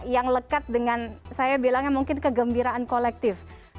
yang lekat dengan saya bilangnya mungkin kegembiraan kolektif